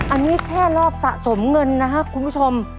อันนี้แค่รอบสะสมเงินนะครับคุณผู้ชม